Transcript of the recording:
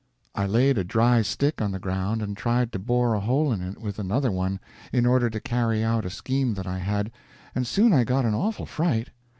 I laid a dry stick on the ground and tried to bore a hole in it with another one, in order to carry out a scheme that I had, and soon I got an awful fright.